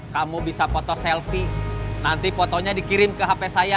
kamu bisa foto selfie nanti fotonya dikirim ke hp saya